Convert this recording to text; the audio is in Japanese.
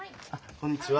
こんにちは。